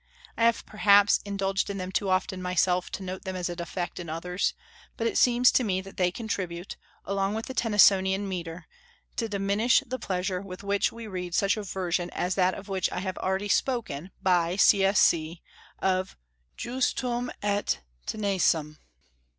I have, perhaps, indulged in them too often myself to note them as a defect in others; but it seems to me that they contribute, along with the Tennysonian metre, to diminish the pleasure with which we read such a version as that of which I have already spoken by "C. S. C." of "Justum et tenacem."